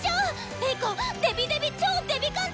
エイコデビデビ超デビ感動！